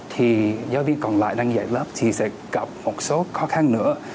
thì giáo viên còn lại đang dạy lớp thì sẽ gặp một số khó khăn nữa